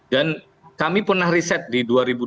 dan kami pernah riset di dua ribu dua puluh